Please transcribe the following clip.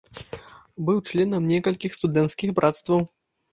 Быў членам некалькіх студэнцкіх брацтваў.